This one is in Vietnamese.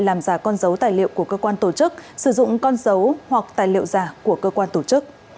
làm giả con dấu tài liệu của cơ quan tổ chức sử dụng con dấu hoặc tài liệu giả của cơ quan tổ chức